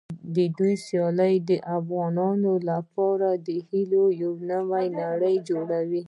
د دوی سیالۍ د افغانانو لپاره د هیلو یوه نوې نړۍ جوړوي.